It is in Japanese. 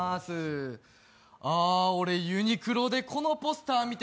あ、俺ユニクロでこのポスター見て